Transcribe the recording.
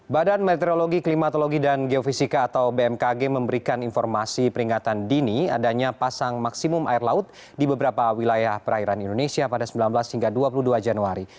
badan meteorologi klimatologi dan geofisika atau bmkg memberikan informasi peringatan dini adanya pasang maksimum air laut di beberapa wilayah perairan indonesia pada sembilan belas hingga dua puluh dua januari